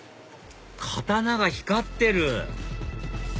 刀が光ってる！